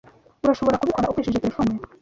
Urashobora kubikora ukoresheje terefone.